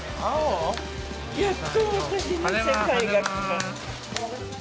やっと私の世界が来ました。